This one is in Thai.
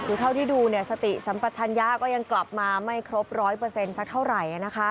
ทุกคนที่ดูสติสัมปัชญาก็ยังกลับมาไม่ครบ๑๐๐สักเท่าไหร่นะคะ